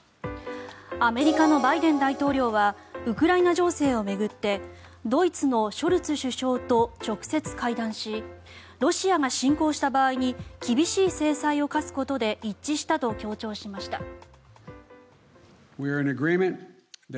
アメリカのバイデン大統領はウクライナ情勢を巡ってドイツのショルツ首相と直接、会談しロシアが侵攻した場合に厳しい制裁を科すことで一致したと強調しました。